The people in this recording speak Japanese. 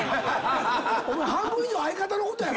お前半分以上相方のことやろ。